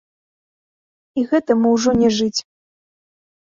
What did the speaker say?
І гэтаму ўжо не жыць.